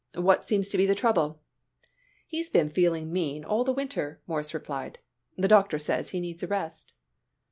What seems to be the trouble?" "He's been feeling mean all the winter," Morris replied. "The doctor says he needs a rest."